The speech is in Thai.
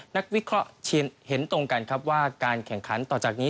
นักวิเคราะห์เห็นตรงกันครับว่าการแข่งขันต่อจากนี้